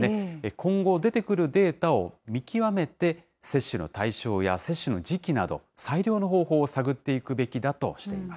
今後、出てくるデータを見極めて、接種の対象や接種の時期など、最良の方法を探っていくべきだとしています。